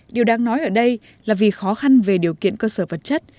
điều đáng nói ở đây là vì khó khăn về điều kiện cơ sở vật chất